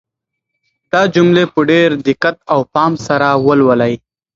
دا جملې په ډېر دقت او پام سره ولولئ.